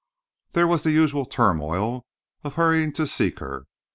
There was the usual turmoil and hurrying to seek her.